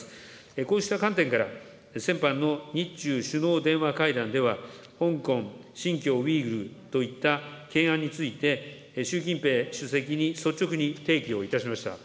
こうした観点から、先般の日中首脳電話会談では、香港、新疆ウイグルといった懸案について、習近平主席に率直に提起をいたしました。